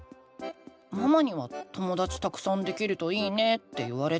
ママには「ともだちたくさんできるといいね」って言われたけど。